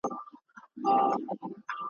له آسمانه هاتف ږغ کړل چي احمقه ,